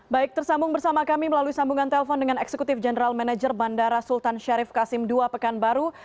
baik tersambung bersama kami melalui sambungan telpon dengan eksekutif general manager bandara sultan syarif kasim ii pekanbaru